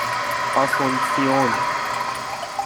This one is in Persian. آسونسیون